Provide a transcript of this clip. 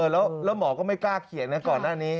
แล้วหมอก็ไม่กล้าเขียนนะก่อนหน้านี้